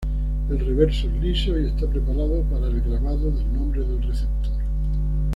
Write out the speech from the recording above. El reverso es liso y está preparado para el grabado del nombre del receptor.